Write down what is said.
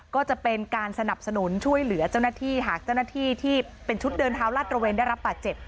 ก็จะเป็นการสนับสนุนช่วยเหลือเจ้าหน้าที่หากเจ้าหน้าที่ที่เป็นชุดเดินเท้าลาดระเวนได้รับบาดเจ็บ